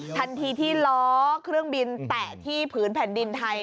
ทันทีที่ล้อเครื่องบินแตะที่ผืนแผ่นดินไทย